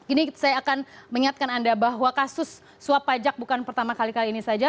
ini saya akan mengingatkan anda bahwa kasus suap pajak bukan pertama kali kali ini saja